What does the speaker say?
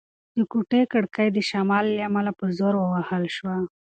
د کوټې کړکۍ د شمال له امله په زوره ووهل شوه.